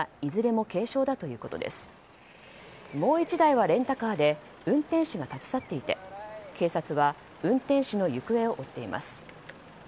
もう１台はレンタカーで運転手が立ち去っていて警察は運転手の行方を追っています。